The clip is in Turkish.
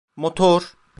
Motor!